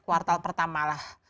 kuartal pertama lah